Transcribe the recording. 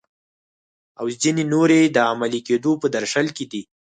او ځینې نورې د عملي کیدو په درشل کې دي.